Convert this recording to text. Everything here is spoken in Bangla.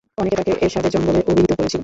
অনেকে তাকে 'এরশাদের যম' বলে অভিহিত করেছিল।